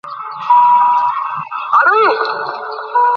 তুই ভালো শব্দ চালাচালি করতে পারিস।